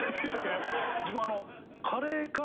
自分。